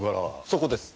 そこです。